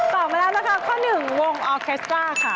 มาแล้วนะคะข้อหนึ่งวงออเคสก้าค่ะ